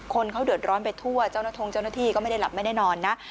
คนเขาเดือดร้อนไปทั่วเจ้าหน้าที่ก็ไม่ได้หลับไม่ได้นอนนะ